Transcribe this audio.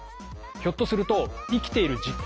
ひょっとすると生きている実感